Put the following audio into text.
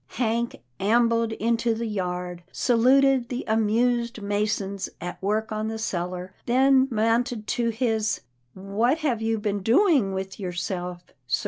Hank ambled into the yard, saluted the amused masons at work on the cellar, then mounted to his 'what have you been doing with yourself^ sir?